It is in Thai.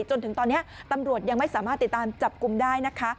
จนถึงตอนนี้ตำรวจยังไม่สามารถติดตามจับกลุ่มได้นะคะ